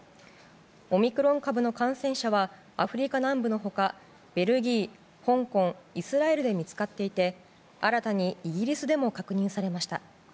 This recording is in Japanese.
オミクロン株の感染者はアフリカ南部のほかベルギー、香港、イスラエルで見つかっていて新たにイギリスでも確認されました。